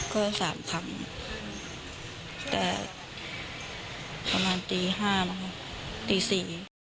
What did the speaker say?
ก็สามครั้งแต่ประมาณตีห้านะคะตีสี่